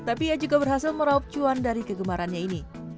tapi ia juga berhasil meraup cuan dari kegemarannya ini